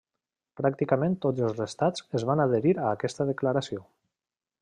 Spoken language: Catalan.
Pràcticament tots els estats es van adherir a aquesta declaració.